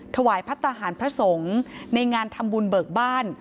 ถวายพัฒนาหารพระสงฆ์ในงานทำบุญเบิกบ้าน